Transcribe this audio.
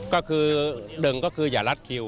ก็คือหนึ่งก็คืออย่ารัดคิว